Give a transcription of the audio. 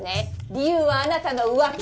理由はあなたの浮気！